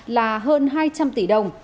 là hơn hai trăm linh tỷ đồng